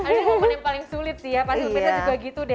ini momen yang paling sulit sih ya pak sopirnya juga gitu deh